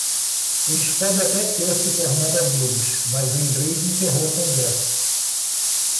Eles podem até ter se tornado amigos?, mas o inglês encerrou a conversa.